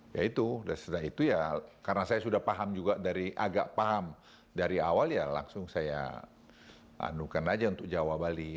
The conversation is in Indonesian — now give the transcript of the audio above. ya itu sudah itu ya karena saya sudah paham juga dari agak paham dari awal ya langsung saya anukan aja untuk jawa bali